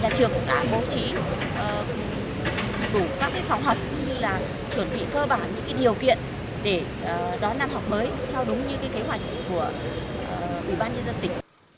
những điều kiện để đón năm học mới theo đúng như kế hoạch của ubnd tỉnh